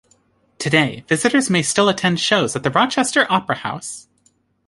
Today, visitors may still attend shows at the Rochester Opera House.